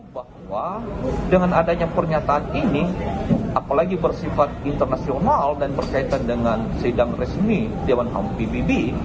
bahwa dengan adanya pernyataan ini apalagi bersifat internasional dan berkaitan dengan sidang resmi dewan ham pbb